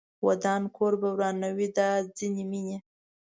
ودان کور به ورانوي دا ځینې مینې